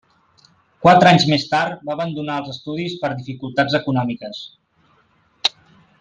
Quatre anys més tard va abandonar els estudis per dificultats econòmiques.